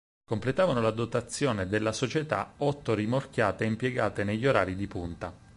Completavano la dotazione della società otto rimorchiate impiegate negli orari di punta.